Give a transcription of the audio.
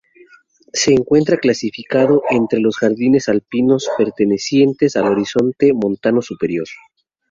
Se encuentra clasificado entre los jardines alpinos pertenecientes al horizonte montano superior.